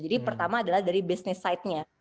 jadi pertama adalah dari business side nya